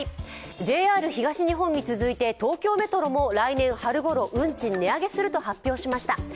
ＪＲ東日本に続いて東京メトロも来年春頃、運賃値上げすると発表しました。